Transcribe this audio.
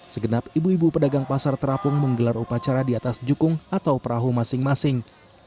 segenap ibu ibu pedagang pasar terapung menggelar upacara di atas jukung atau perahu masing masing